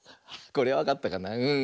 あこれわかったかな？